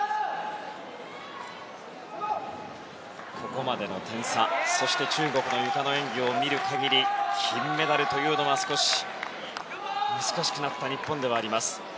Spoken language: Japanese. ここまでの点差、そして中国のゆかの演技を見る限り金メダルというのは少し難しくなった日本ではあります。